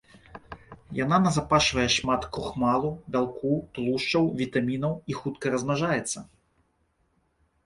Яна назапашвае шмат крухмалу, бялку, тлушчаў, вітамінаў і хутка размнажаецца.